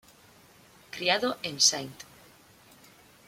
Criado en St.